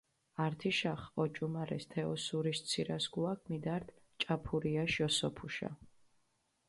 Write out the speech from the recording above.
ართიშახჷ ოჭუმარესჷ თე ოსურიში ცირასქუაქჷ მიდართჷ ჭაფურიაში ოსოფუშა.